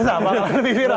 lebih viral gitu kan